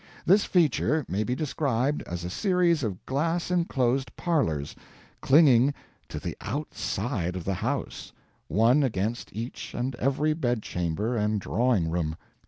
This feature may be described as a series of glass enclosed parlors CLINGING TO THE OUTSIDE OF THE HOUSE, one against each and every bed chamber and drawing room.